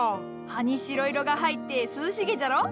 葉に白色が入って涼しげじゃろ。